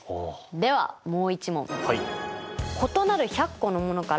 ではもう一問。